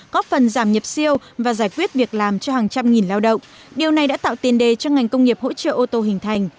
có phần giảm nhập siêu và giải quyết việc làm cho hàng trăm nghìn lao động điều này đã tạo tiền đề cho ngành công nghiệp hỗ trợ ô tô hình thành